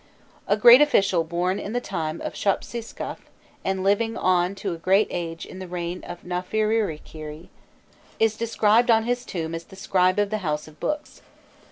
A great official born in the time of Shopsiskaf, and living on to a great age into the reign of Nofiririkerî, is described on his tomb as the "Scribe of the House of Books."